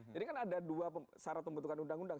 jadi kan ada dua syarat pembentukan undang undang